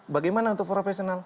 bagaimana untuk profesional